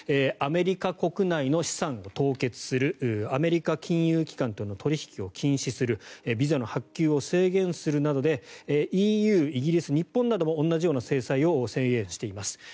アメリカ国内の資産を凍結するアメリカ金融機関との取引を禁止するビザの発給を制限するなどでＥＵ、イギリス、日本なども同じような制裁を制限しています